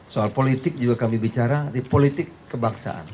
soal politik juga kami bicara di politik kebangsaan